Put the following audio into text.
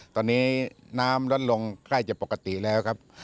ตอนนี้น้ำลดลงใกล้จะปกติแล้วครับ